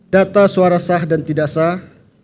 data suara sah dan tidak sah